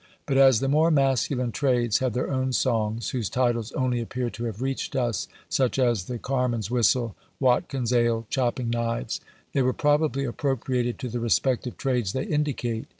But as the more masculine trades had their own songs, whose titles only appear to have reached us, such as "The Carman's Whistle," "Watkin's Ale," "Chopping Knives," they were probably appropriated to the respective trades they indicate.